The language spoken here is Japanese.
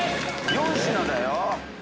４品だよ？